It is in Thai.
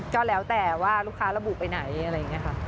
ก็แล้วแต่ว่าลูกค้าระบุไปไหนอะไรอย่างนี้ค่ะ